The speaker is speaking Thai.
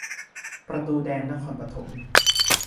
ประตูแดงนครปฐม